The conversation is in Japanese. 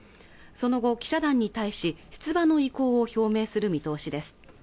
その後記者団に対し出馬の意向を表明する見通しです